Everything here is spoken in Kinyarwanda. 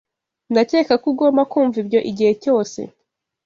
Ndakeka ko ugomba kumva ibyo igihe cyose.